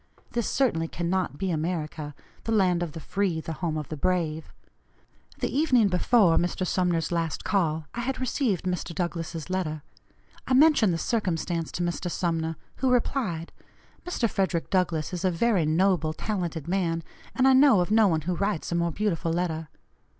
This, certainly, cannot be America, 'the land of the free,' the 'home of the brave.' The evening before Mr. Sumner's last call I had received Mr. Douglass's letter; I mentioned the circumstance to Mr. Sumner, who replied: 'Mr. Frederick Douglass is a very noble, talented man, and I know of no one who writes a more beautiful letter.'